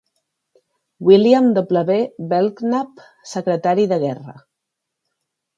William W. Belknap, Secretari de Guerra .